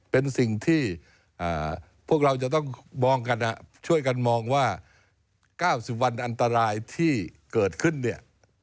เป็นสิ่งที่พวกเราจะต้องช่วยกันมองว่า๙๐วันอันตรายที่เกิดขึ้นเนี่ย